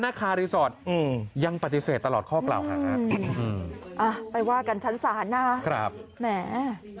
นาคารีสอร์ทอืมยังปฏิเสธตลอดข้อกล่าวครับครับอืมอ่าไปว่ากันชั้นศาลน่ะครับแหม